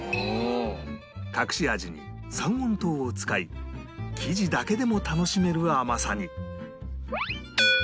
隠し味に三温糖を使い生地だけでも楽しめる甘さに